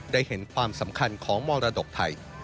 ได้เห็นความสำคัญของมรดกไทย